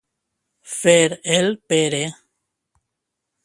Fer el Pere.